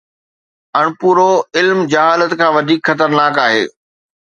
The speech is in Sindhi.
اڻپورو علم جهالت کان وڌيڪ خطرناڪ آهي.